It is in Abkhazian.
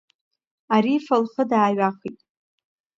Арифа лхы дааҩахеит…